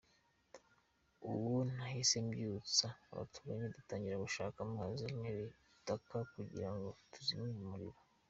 Ubwo nahise mbyutsa abaturanyi dutangira gushaka amazi n’ibitaka kugira ngo tuzimye uwo muriro”.